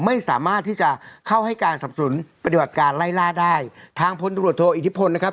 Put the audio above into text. ไม่สามารถที่จะเข้าให้การสับสนุนปฏิบัติการไล่ล่าได้ทางพลตรวจโทอิทธิพลนะครับ